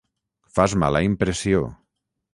Fas mala impressió.